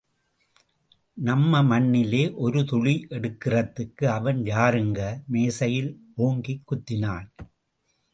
நம்ப மண்ணிலே ஒரு துளி எடுக்கிறதுக்கு அவன் யாருங்க? மேஜையில் ஓங்கிக் குத்தினான்.